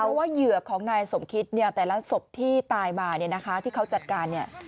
เพราะว่าเหยื่อของนายสมคิตเนี่ยแต่ละศพที่ตายมาเนี่ยนะคะที่เขาจัดการเนี่ย